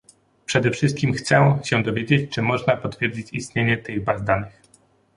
Przede wszystkim chcę się dowiedzieć, czy można potwierdzić istnienie tych baz danych